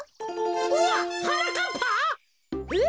うわっはなかっぱ？え！